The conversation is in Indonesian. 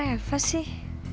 aduh kenapa harus sama reva sih